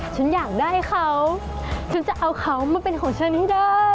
ฉันอยากได้เขาฉันจะเอาเขามาเป็นของฉันให้เด้อ